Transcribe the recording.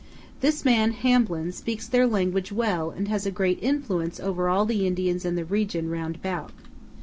This man, Hamblin, speaks their language well and has a great influence over all the Indians in the region round about.